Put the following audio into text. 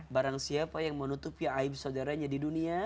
barang siapa yang menutupi aib saudaranya di dunia